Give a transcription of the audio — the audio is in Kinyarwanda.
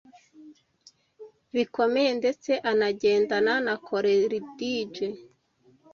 bikomeye ndetse anagendana na Coleridige